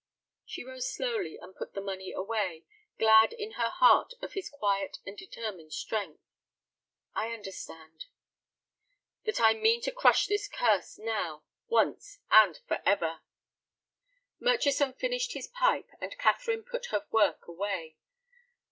She rose slowly and put the money away, glad in her heart of his quiet and determined strength. "I understand—" "That I mean to crush this curse now—once—and forever." Murchison finished his pipe, and Catherine put her work away.